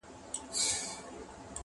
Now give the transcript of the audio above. جاله هم سوله پر خپل لوري روانه!